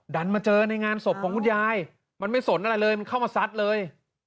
มาเจอในงานศพของคุณยายมันไม่สนอะไรเลยมันเข้ามาซัดเลย